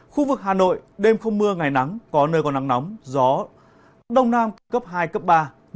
khu vực hà nội đêm không mưa ngày nắng có nơi còn nắng nóng gió đông nam cộng hai cộng ba